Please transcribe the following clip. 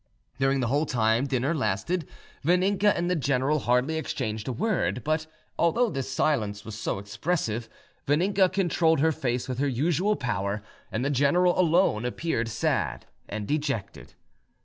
During the whole time dinner lasted Vaninka and the general hardly exchanged a word, but although this silence was so expressive, Vaninka controlled her face with her usual power, and the general alone appeared sad and dejected.